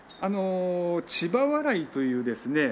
千葉笑いというですね